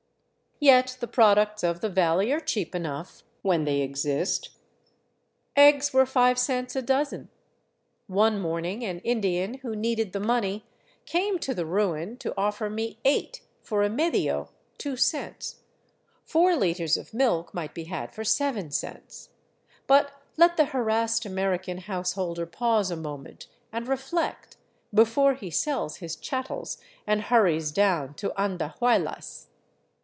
Yet the products of the valley are cheap enough, when they exist. Eggs were five cents a dozen ; one morning an Indian who needed the money came to the ruin to offer me eight for a medio (2 cents). Four liters of milk might be had for 7 cents. But let the harassed American householder pause a moment and reflect, before he sells his chattels and hurries down to Andahuaylas.